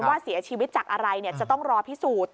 ว่าเสียชีวิตจากอะไรจะต้องรอพิสูจน์